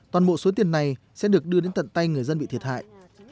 toàn bộ số tiền này sẽ được đưa đến tận tay người dân bị thiệt hại